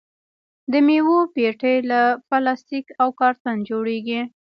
د میوو پیټۍ له پلاستیک او کارتن جوړیږي.